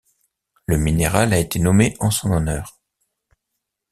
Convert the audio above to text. Le minéral a été nommé en son honneur.